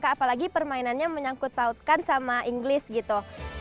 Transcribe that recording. apalagi permainannya menyangkut pautkan sama inggris gitu